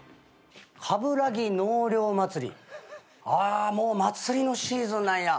「冠城納涼祭り」あもう祭りのシーズンなんや。